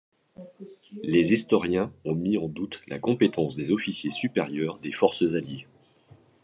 Les historiens ont mis en doute la compétence des officiers supérieurs des forces alliées.